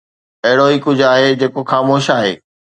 اهڙو ئي ڪجهه آهي جيڪو خاموش آهي